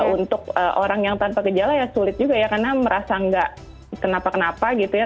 untuk orang yang tanpa gejala ya sulit juga ya karena merasa nggak kenapa kenapa gitu ya